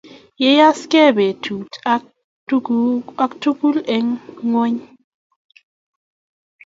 Yayasgei betut age tugul eng ngweny